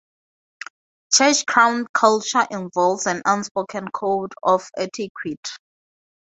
Church crown culture involves an unspoken code of etiquette.